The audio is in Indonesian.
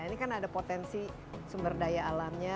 ini kan ada potensi sumber daya alamnya